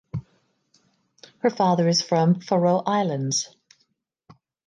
Her father is from Faroe Islands.